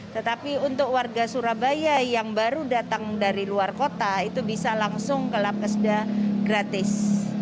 tetapi untuk warga surabaya yang baru datang dari luar kota itu bisa langsung ke lapkesda gratis